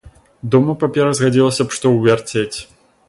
Дома папера згадзілася б што ўвярцець.